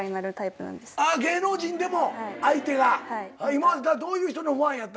今までどういう人のファンやったん？